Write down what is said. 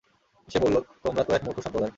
সে বলল, তোমরা তো এক মূর্খ সম্প্রদায়।